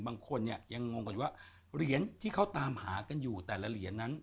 บางคนเนี่ยยังงงกันอยู่ว่าเหรียญที่เขาตามหากันอยู่แต่ละเหรียญนั้น